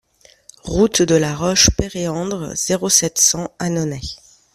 Route de la Roche Péréandre, zéro sept, cent Annonay